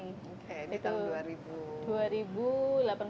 oke di tahun dua ribu